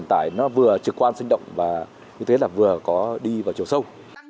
nó vừa trực quan sinh động và như thế là vừa có đi vào chỗ sâu